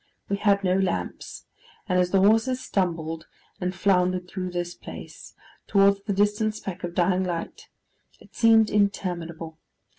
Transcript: We had no lamps; and as the horses stumbled and floundered through this place, towards the distant speck of dying light, it seemed interminable.